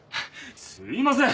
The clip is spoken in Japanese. すいません。